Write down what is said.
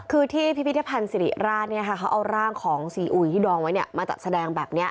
คือที่พิพิธภัณฑ์สิริราชเขาเอาร่างของซีอุยที่ดองไว้มาจัดแสดงแบบนี้